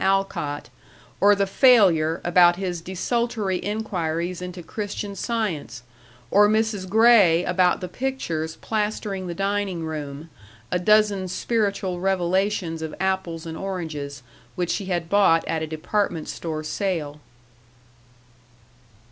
Alcott, or the failure about his desultory inquiries into Christian Science, or Mrs. Gray about the pictures plastering the dining room a dozen spiritual revelations of apples and oranges, which she had bought at a department store sale.